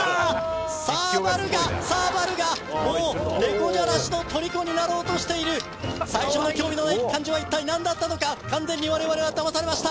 サーバルがサーバルがもう猫じゃらしのとりこになろうとしている最初の興味のない感じは一体何だったのか完全に我々はだまされました